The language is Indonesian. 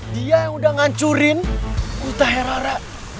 dia yang udah ngancurin ruta herara